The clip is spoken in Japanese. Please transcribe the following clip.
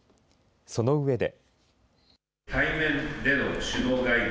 そのうえで。